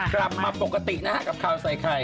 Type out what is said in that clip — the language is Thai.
กลับมาปกตินะครับกลับเข้าใส่ใคร